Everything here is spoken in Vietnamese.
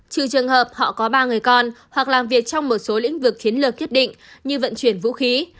trừ trường hợp họ có ba người con hoặc làm việc trong một số lĩnh vực chiến lược nhất định như vận chuyển vũ khí